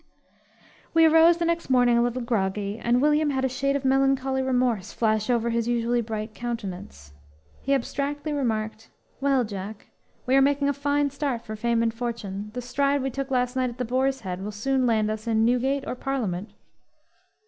"_ We arose the next morning a little groggy, and William had a shade of melancholy remorse flash over his usually bright countenance. He abstractedly remarked: "Well, Jack, we are making a fine start for fame and fortune. The stride we took last night, at the Boar's Head, will soon land us in Newgate or Parliament!"